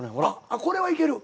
あっこれはいける。